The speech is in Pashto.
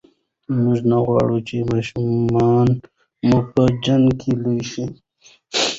موږ نه غواړو چې ماشومان مو په جنګ کې لوي شي.